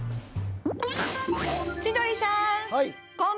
千鳥さん